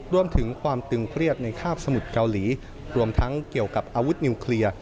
รวมถึงความตึงเครียดในคาบสมุทรเกาหลีรวมทั้งเกี่ยวกับอาวุธนิวเคลียร์